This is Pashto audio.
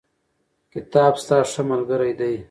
کتاب ستا ښه ملګری دی.